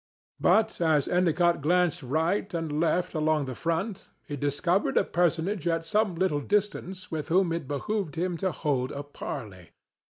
But as Endicott glanced right and left along the front he discovered a personage at some little distance with whom it behoved him to hold a parley.